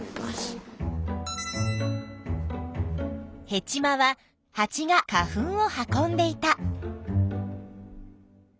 ヘチマはハチが花粉を運んでいた。